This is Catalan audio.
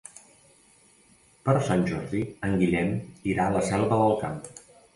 Per Sant Jordi en Guillem irà a la Selva del Camp.